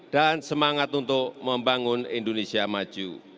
dan semangat untuk membangun indonesia maju